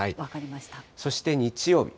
そして日曜日。